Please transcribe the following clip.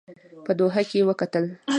په دوحه کې وکتل.